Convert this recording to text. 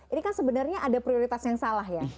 ini kan sebenarnya ada prioritas yang salah ya